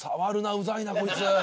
ウザいなこいつ。